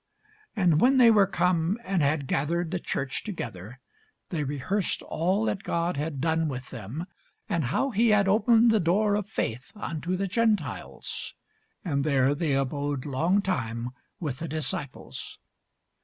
And when they were come, and had gathered the church together, they rehearsed all that God had done with them, and how he had opened the door of faith unto the Gentiles. And there they abode long time with the disciples.